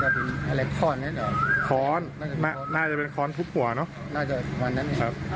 สภาพเขาเป็นยังไงบ้างครับสภาพของเจ็บ